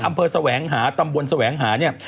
อำเภอแสวงหาตำบวนแสวงหาเนี่ย